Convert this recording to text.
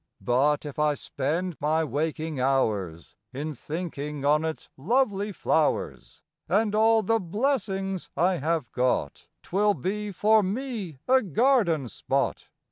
But if I spend my waking hours In thinking on its lovely flowers And all the blessings I have got, Twill be for me a garden spot.